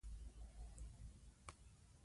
د کوردي کوچیانو پر یوه پنډغالي ورپېښ شوی و.